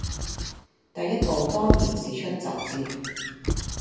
第一步當然是出雜誌，